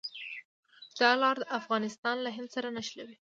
دا لار افغانستان له هند سره نښلوي.